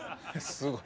すごい。